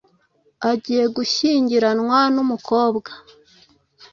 agiye gushyingiranwa n’ umukobwa